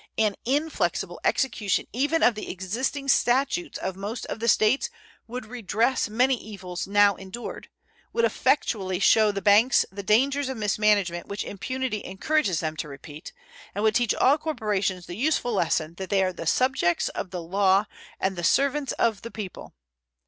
An inflexible execution even of the existing statutes of most of the States would redress many evils now endured, would effectually show the banks the dangers of mismanagement which impunity encourages them to repeat, and would teach all corporations the useful lesson that they are the subjects of the law and the servants of the people.